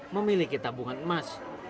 memiliki tabungan emas